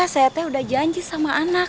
sate udah janji sama anak